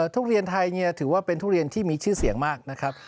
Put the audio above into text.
ทุเรียนไทยถือว่าเป็นทุเรียนที่มีชื่อเสียงมากนะครับ